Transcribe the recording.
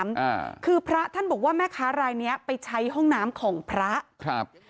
อ่าคือพระท่านบอกว่าแม่ค้ารายเนี้ยไปใช้ห้องน้ำของพระครับ